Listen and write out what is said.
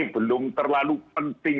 belum terlalu penting